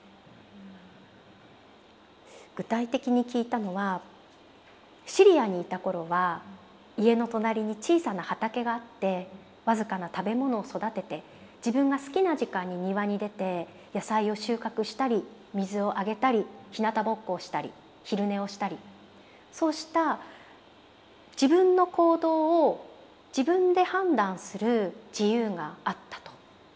具体的に聞いたのはシリアにいた頃は家の隣に小さな畑があって僅かな食べ物を育てて自分が好きな時間に庭に出て野菜を収穫したり水をあげたりひなたぼっこをしたり昼寝をしたりそうした自分の行動を自分で判断する自由があったと。